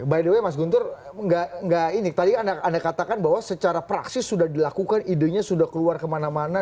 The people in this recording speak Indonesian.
by the way mas guntur nggak ini tadi anda katakan bahwa secara praksis sudah dilakukan idenya sudah keluar kemana mana